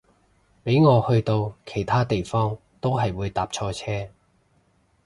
俾我去到其他地方都係會搭錯車